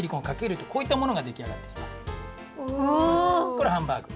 これハンバーグ。